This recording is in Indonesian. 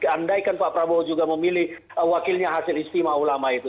andaikan pak prabowo juga memilih wakilnya hasil istimewa ulama itu